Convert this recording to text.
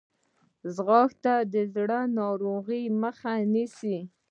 ځغاسته د زړه ناروغۍ مخه نیسي